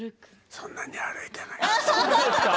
そんなに歩いてない。